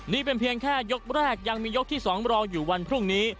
นี่เป็นเพียงแค่ยกแรกยังมียกที่๒รออยู่วันพรุ่งนี้